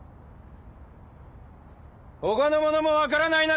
他の者も分からないなら